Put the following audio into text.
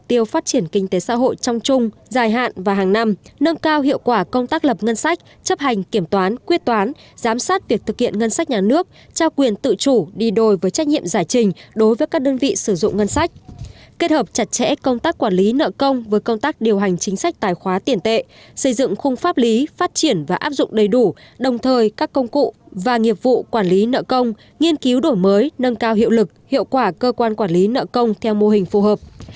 dài hạn và hàng năm nâng cao hiệu quả công tác lập ngân sách chấp hành kiểm toán quyết toán giám sát việc thực hiện ngân sách nhà nước trao quyền tự chủ đi đổi với trách nhiệm giải trình đối với các đơn vị sử dụng ngân sách kết hợp chặt chẽ công tác quản lý nợ công với công tác điều hành chính sách tài khoá tiền tệ xây dựng khung pháp lý phát triển và áp dụng đầy đủ đồng thời các công cụ và nghiệp vụ quản lý nợ công nghiên cứu đổi mới nâng cao hiệu lực hiệu quả cơ quan quản lý nợ công theo mô hình phù h